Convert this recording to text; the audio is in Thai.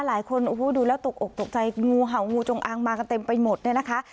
หลายคนโอ้โหดูแล้วตกอกตกใจงูเห่างูจงอางมากันเต็มไปหมดเนี่ยนะคะ